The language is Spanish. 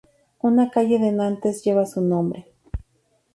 Una calle de Nantes lleva su nombre.